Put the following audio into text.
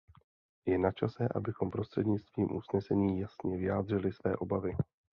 Je načase, abychom prostřednictvím usnesení jasně vyjádřili své obavy.